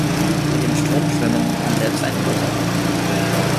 Mit dem Strom schwimmen kann selbst ein Toter.